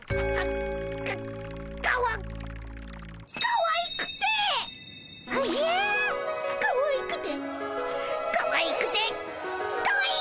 かわいくてかわいくてかわいい！